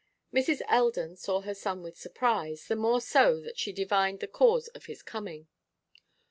Mrs. Eldon saw her son with surprise, the more so that she divined the cause of his coming.